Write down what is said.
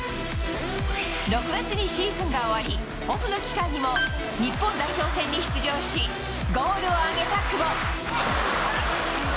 ６月にシーズンが終わり、オフの期間にも日本代表戦に出場し、ゴールを挙げた久保。